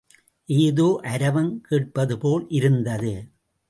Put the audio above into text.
ஏதோ அரவம் கேட்பதுபோல் இருந்தது.